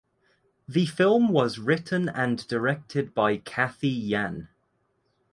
The film was written and directed by Cathy Yan.